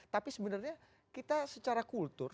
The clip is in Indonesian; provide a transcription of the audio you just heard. tapi sebenarnya kita secara kultur